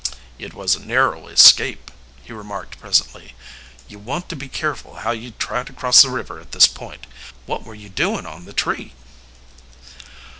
"It was a narrow escape," he remarked presently. "You want to be careful how you try to cross the river at this point. What were you doing on the tree?"